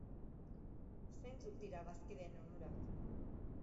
Zeintzuk dira bazkideen onurak?